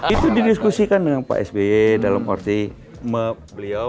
itu didiskusikan dengan pak sby dalam arti beliau